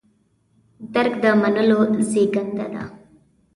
درک د منلو زېږنده ده.